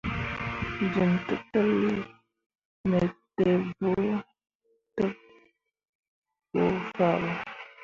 Jin tǝtǝlli me tevbu fah ɓo.